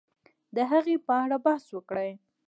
د هغې په اړه بحث وکړي